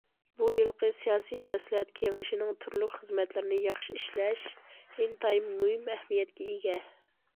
بۇ يىلقى سىياسىي مەسلىھەت كېڭىشىنىڭ تۈرلۈك خىزمەتلىرىنى ياخشى ئىشلەش ئىنتايىن مۇھىم ئەھمىيەتكە ئىگە.